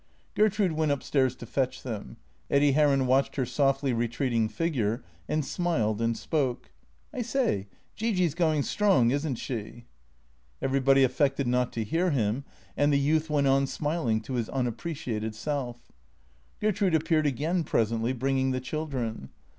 Gertrude went up stairs to fetch them. Eddy Heron watched her softly retreating figure, and smiled and spoke. " I say, Gee Gee 's going strong, is n't she ?" Everybody affected not to hear him, and the youth went on smiling to his unappreciated self, Gertrude appeared again presently, bringing the children.